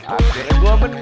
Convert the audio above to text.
akhirnya gue menang